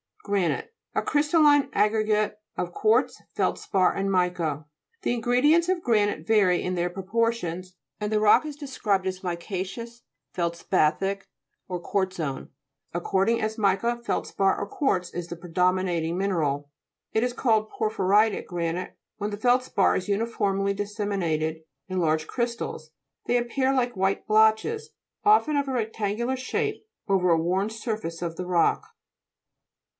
GRA'NITE A crystalline aggregate of quartz, feldspar, and mica. The ingredients of granite vary in their proportions, and the rock is described as mica'ceous, feldspathic or quartzose, according as mica, feldspar, or quartz is the, predo minating mineral. It is called Por phyritic granite when the feldspar is uniformly disseminated in large crystals ; they appear like white blotches, often of a rectangular shape, over a worn surface of the rock.